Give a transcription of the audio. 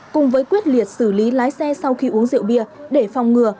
cùng với quyết liệt xử lý lái xe sau khi uống rượu bia để phòng ngừa